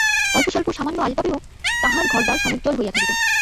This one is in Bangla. অল্পস্বল্প সামান্য আসবাবেও তাঁহার ঘরদ্বার সমুজ্জ্বল হইয়া থাকিত।